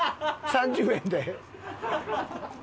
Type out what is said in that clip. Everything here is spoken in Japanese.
３０円で。